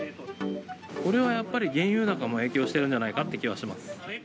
これはやっぱり、原油高も影響してるんじゃないかという気がします。